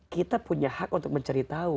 kita punya hak untuk mencari tahu